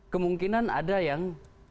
kemungkinan ada yang